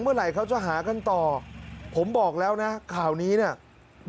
เมื่อไหร่เขาจะหากันต่อผมบอกแล้วนะข่าวนี้เนี่ย